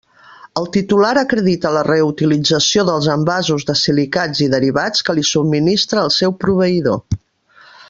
El titular acredita la reutilització dels envasos de silicats i derivats que li subministra el seu proveïdor.